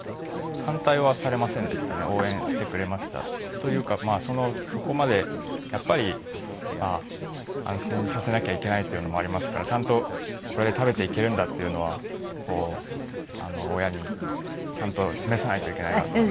というかまあそこまでやっぱり安心させなきゃいけないっていうのもありますからちゃんとこれで食べていけるんだっていうのはこう親にちゃんと示さないといけないなと思って。